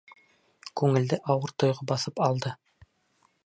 Күңелде ауыр тойғо баҫып алды.